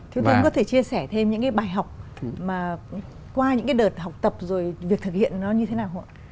thưa tướng có thể chia sẻ thêm những cái bài học mà qua những cái đợt học tập rồi việc thực hiện nó như thế nào không ạ